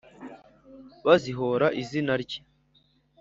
Bazihora izina rye